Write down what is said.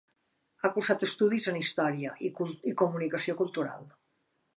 Ha cursat estudis en Història i Comunicació Cultural.